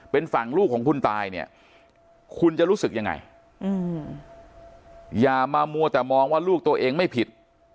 เป็นฝั่งลูกของคุณตายเนี่ยคุณจะรู้สึกยังไงอย่ามามัวแต่มองว่าลูกตัวเองไม่ผิด